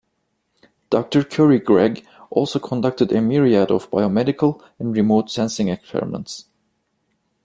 Doctor Currie-Gregg also conducted a myriad of biomedical and remote sensing experiments.